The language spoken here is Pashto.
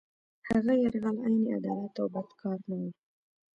هغه یرغل عین عدالت او بد کار نه وو.